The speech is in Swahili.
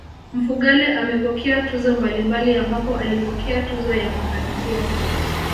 Mfugale amepokea tuzo mbalimbali ambapo alipokea tuzo ya mafanikio